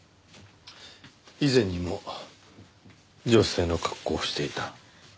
以前にも女性の格好をしていた？